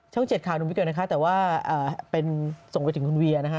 ช่องเจ็ดขาหนูไม่เกี่ยวนะคะแต่ว่าส่งไปถึงคุณเวียนะคะ